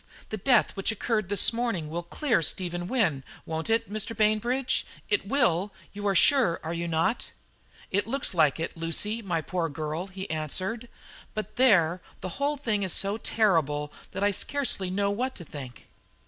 "The death which occurred this morning will clear Stephen Wynne, won't it, Mr. Bainbridge? it will, you are sure, are you not?" "It looks like it, Lucy, my poor girl," he answered. "But there, the whole thing is so terrible that I scarcely know what to think."